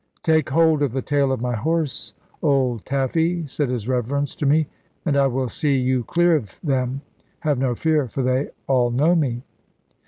"Take hold of the tail of my horse, old Taffy," said his Reverence to me; "and I will see you clear of them. Have no fear, for they all know me."